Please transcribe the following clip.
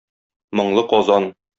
Моңлы Казан!